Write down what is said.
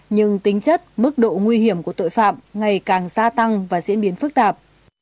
nhưng tính chất mức độ nguy hiểm của tội phạm ngày càng gia tăng và diễn biến phức tạp